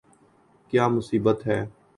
!کیا مصیبت ہے